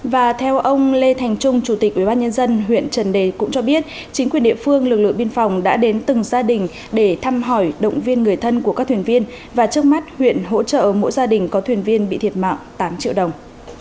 và theo ông lê thành trung chủ tịch ubnd huyện trần đề cũng cho biết chính quyền địa phương lực lượng biên phòng đã đến từng gia đình để thăm hỏi động viên người thân của các thuyền viên và trước mắt huyện hỗ trợ mỗi gia đình có thuyền viên bị thiệt mạng tám triệu đồng